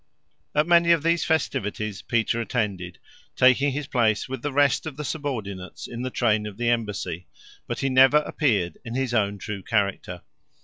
At many of these festivities Peter attended, taking his place with the rest of the subordinates in the train of the embassy, but he never appeared in his own true character.